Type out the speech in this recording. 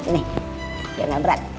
nih jangan berat